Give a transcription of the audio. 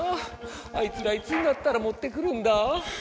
あいつらいつになったらもってくるんだ？